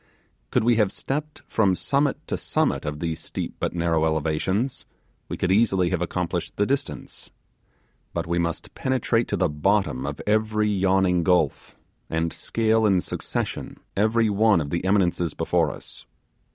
Could we have stepped from summit to summit of these steep but narrow elevations we could easily have accomplished the distance; but we must penetrate to the bottom of every yawning gulf, and scale in succession every one of the eminences before us.